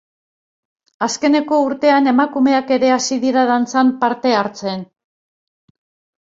Azkeneko urtetan emakumeak ere hasi dira dantzan parte hartzen.